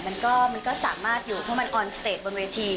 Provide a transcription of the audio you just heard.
มันก็มันก็สามารถอยู่เพราะมันออนสเตจบนเวที